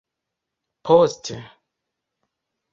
poste